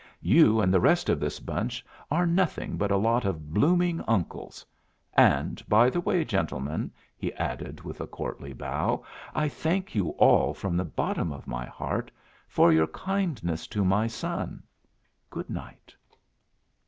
"You and the rest of this bunch are nothing but a lot of blooming uncles. And by the way, gentlemen," he added, with a courtly bow, "I thank you all from the bottom of my heart for your kindness to my son. Good night."